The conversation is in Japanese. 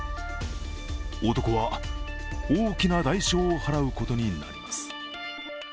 男は大きな代償を払うことになります。